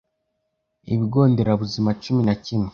ibigo nderabuzima cumi nakimwe